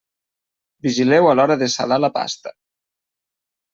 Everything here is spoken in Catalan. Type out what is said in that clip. Vigileu a l'hora de salar la pasta.